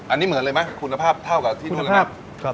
อันนี้เหมือนเลยไหมคุณภาพเท่ากับที่นู่นเลยนะ